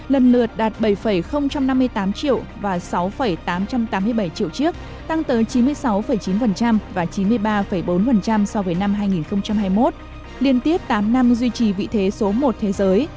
tăng đến hai mươi năm sáu so với năm hai nghìn hai mươi một liên tiếp tám năm duy trì vị thế số một thế giới